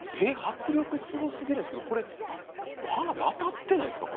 迫力すご過ぎですけどこれ花火当たってないですか？